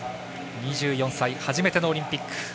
２４歳、初めてのオリンピック。